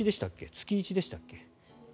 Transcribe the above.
月１でしたっけ？